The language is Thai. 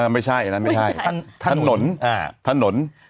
ไม่ใช่ถนน